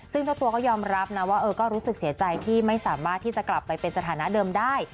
ซึ่งเจ้าตัวก็ยอมรับนะว่าก็รู้สึกเสียใจที่ไม่สามารถที่จะกลับไปเป็นสถานะเดิมได้